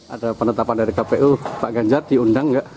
ada penetapan dari kpu pak ganjar diundang nggak